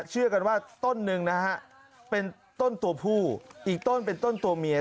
เชื่อกันว่าต้นหนึ่งนะฮะเป็นต้นตัวผู้อีกต้นเป็นต้นตัวเมีย